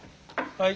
はい。